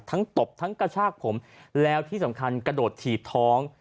ตบทั้งกระชากผมแล้วที่สำคัญกระโดดถีบท้อง